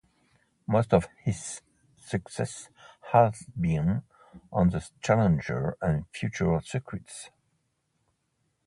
Most of his success has been on the challenger and future circuits.